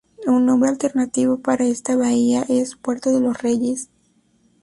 Un nombre alternativo para esta bahía es "Puerto De Los Reyes".